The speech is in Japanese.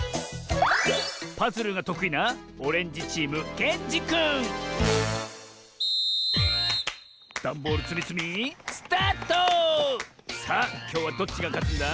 パズルがとくいなダンボールつみつみさあきょうはどっちがかつんだ？